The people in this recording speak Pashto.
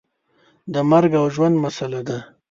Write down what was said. د مرګ او ژوند مسله ده.